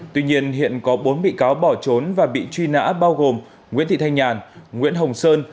tuy nhiên hiện có bốn bị cáo bỏ trốn và bị truy nã bao gồm nguyễn thị thanh nhàn nguyễn hồng sơn